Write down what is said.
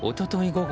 午後